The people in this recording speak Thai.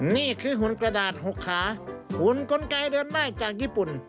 หุ่นกระดาษ๖ขาหุ่นกลไกเดินได้จากญี่ปุ่น